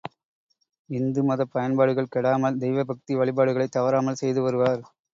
இந்து மதப் பண்பாடுகள் கெடாமல், தெய்வ பக்தி வழிபாடுகளைத் தவறாமல் செய்து வருவார்.